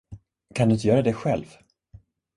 Kan du inte göra det själv?